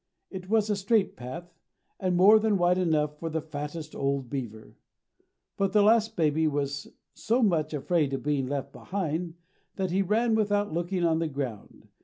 It was a straight path, and more than wide enough for the fattest old beaver. But the last baby was so much afraid of being left behind that he ran without looking on the ground.